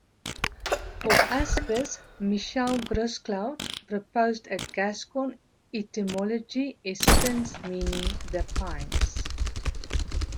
For "Aspis" Michel Grosclaude proposed a Gascon etymology "es pins" meaning "the pines".